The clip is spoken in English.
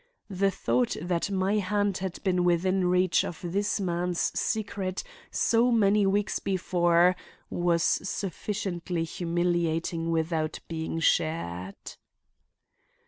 The thought that my hand had been within reach of this man's secret so many weeks before was sufficiently humiliating without being shared.